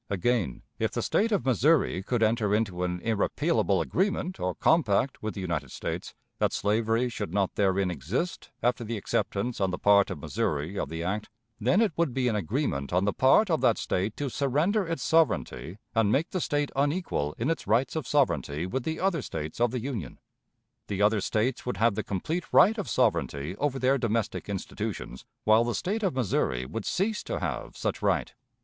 Again, if the State of Missouri could enter into an irrepealable agreement or compact with the United States, that slavery should not therein exist after the acceptance on the part of Missouri of the act, then it would be an agreement on the part of that State to surrender its sovereignty and make the State unequal in its rights of sovereignty with the other States of the Union. The other States would have the complete right of sovereignty over their domestic institutions while the State of Missouri would cease to have such right.